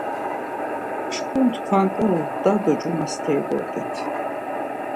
Çku, tkvan ǩala da do cuma steri bort̆it.